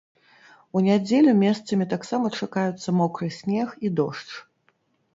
У нядзелю месцамі таксама чакаюцца мокры снег і дождж.